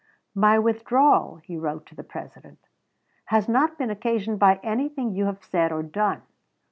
"My withdrawal," he wrote to the President, "has not been occasioned by anything you have said or done.